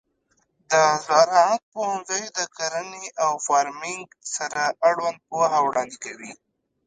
د زراعت پوهنځی د کرنې او فارمینګ سره اړوند پوهه وړاندې کوي.